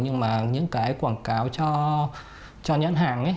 nhưng mà những cái quảng cáo cho nhãn hàng